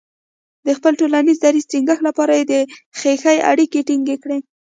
د خپل ټولنیز دریځ ټینګښت لپاره یې د خیښۍ اړیکې ټینګې کړې.